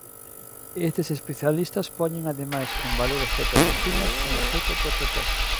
Estes especialistas poñen, ademais, en valor o efecto das vacinas, un efecto protector.